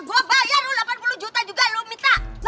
gua bayar lu delapan puluh juta juga lu minta